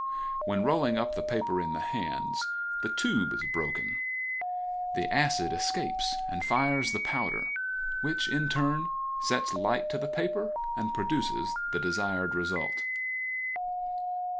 When rolling up the paper in the hands the tube is broken; the acid escapes and fires the powder, which in turn sets light to the paper and produces the desired result.